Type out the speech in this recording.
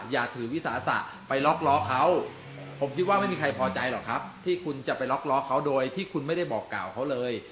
อย่าถือวิสาสะไปล็อกล้อเขาผมคิดว่าไม่มีใครพอใจหรอกครับที่คุณจะไปล็อกล้อเขาโดยที่คุณไม่ได้บอกกล่าวเขาเลย